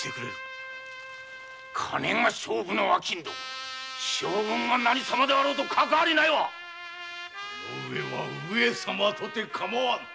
金が勝負の商人将軍が何様であろうとかかわりないわこの上は上様とて構わぬ。